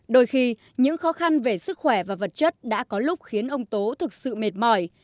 đôi khi những khó khăn về sức khỏe và vật chất đã có lúc khiến ông tố thực sự mệt mỏi